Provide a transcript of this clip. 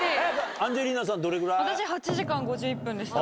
アンジェリーナさんどれぐらい？でした。